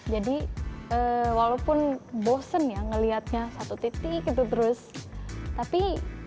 jadi walaupun bosen ya ngelihatnya satu titik itu terus tapi